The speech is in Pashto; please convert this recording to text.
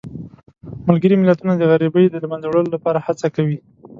ملګري ملتونه د غریبۍ د له منځه وړلو لپاره هڅه کوي.